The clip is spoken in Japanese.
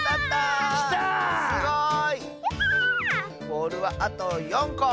ボールはあと４こ！